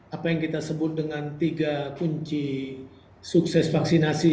apa yang kita sebut dengan tiga kunci sukses vaksinasi